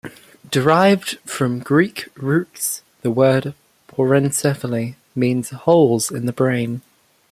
Derived from Greek roots, the word "porencephaly" means 'holes in the brain'.